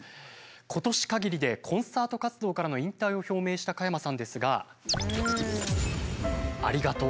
今年かぎりでコンサート活動からの引退を表明した加山さんですが「ありがとう」。